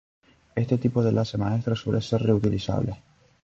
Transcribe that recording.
Este tipo de enlace maestro suele ser reutilizable.